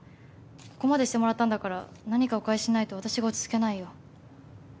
ここまでしてもらったんだから何かお返ししないと私が落ち着けないよ。